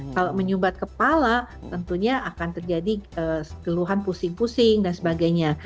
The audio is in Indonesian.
kalau menyumbat kepala tentunya akan terjadi geluhan pusing pusing dan sebagainya